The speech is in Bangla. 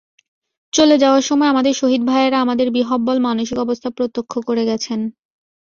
চলে যাওয়ার সময় আমাদের শহীদ ভাইয়েরা আমাদের বিহ্বল মানসিক অবস্থা প্রত্যক্ষ করে গেছেন।